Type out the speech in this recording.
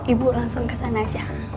ibu langsung ke sana aja